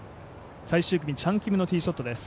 最終組、チャン・キムのティーショットです。